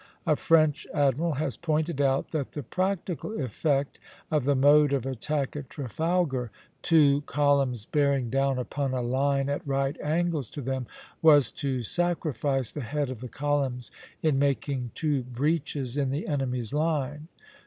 A French admiral has pointed out that the practical effect of the mode of attack at Trafalgar, two columns bearing down upon a line at right angles to them, was to sacrifice the head of the columns in making two breaches in the enemy's line.